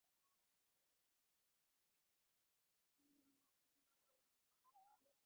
Solomon বলল, সে স্থানীয়দের চিকিৎসাও আয়ত্ত্ব করেছিল।